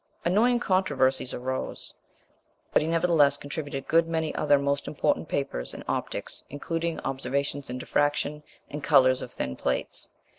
Annoying controversies arose; but he nevertheless contributed a good many other most important papers in optics, including observations in diffraction, and colours of thin plates.